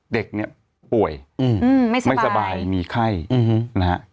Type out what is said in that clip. เด็กเนี่ยป่วยไม่สบายมีไข้นะฮะ